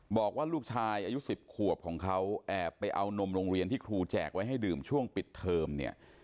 บอกว่าลูกชายอายุ๑๐ขวบของเขาแอบไปเอานมโรงเรียนที่ครูแจกไว้ให้ดื่มช่วงปิดเทอมเนี่ย